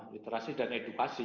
literasi dan edukasi